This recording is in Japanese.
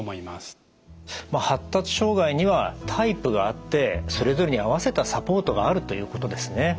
まあ発達障害にはタイプがあってそれぞれに合わせたサポートがあるということですね。